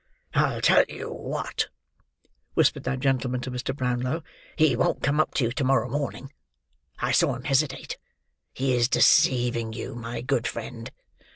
"I'll tell you what," whispered that gentleman to Mr. Brownlow; "he won't come up to you to morrow morning. I saw him hesitate. He is deceiving you, my good friend."